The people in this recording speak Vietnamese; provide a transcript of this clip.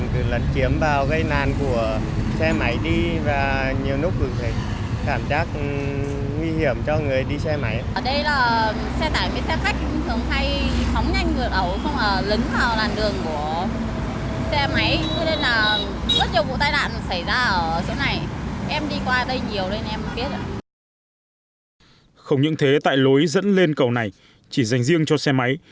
không những thế tải lối dẫn lên cầu này chỉ dành riêng cho xe máy